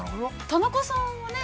◆田中さんはね